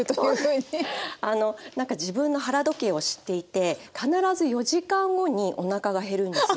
なんか自分の腹時計を知っていて必ず４時間後におなかが減るんですよ。